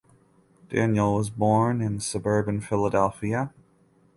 Daniel was born in suburban Philadelphia.